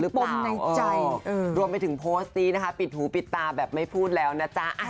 ปมในใจรวมไปถึงโพสต์นี้นะคะปิดหูปิดตาแบบไม่พูดแล้วนะจ๊ะ